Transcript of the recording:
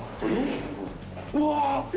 うわ！